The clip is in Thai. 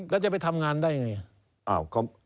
แล้วจะไปทำงานได้อย่างไร